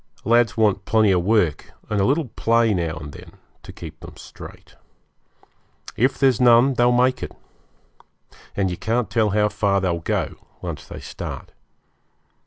Lads want plenty of work, and a little play now and then to keep them straight. If there's none, they'll make it; and you can't tell how far they'll go when they once start.